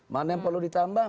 mana yang perlu ditambah